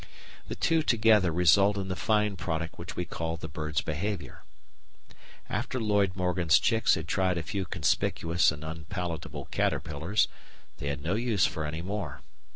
The two together result in the fine product which we call the bird's behaviour. After Lloyd Morgan's chicks had tried a few conspicuous and unpalatable caterpillars, they had no use for any more.